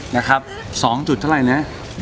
นะครับ๒จุดเท่าไหร่นะ